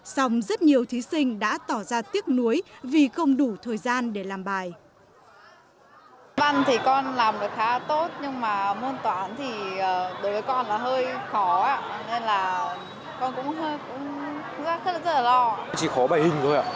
xong rất nhiều thí sinh đã tỏ ra tiếc nuối vì không đủ thời gian để làm bài